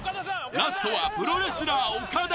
ラストはプロレスラーオカダ！